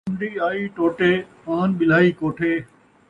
چُݨدی آئی ٹوٹے، آن ٻلہائی کوٹھے